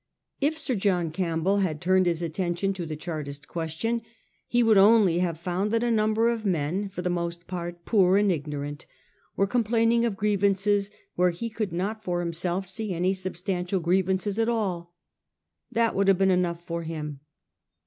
If Sir John Campbell had turned his atten tion to the Chartist question, he would only have found that a number of men, for the most part poor and ignorant, were complaining of grievances where he could not for himself see any substantial grievances at all. That would have been enough for him.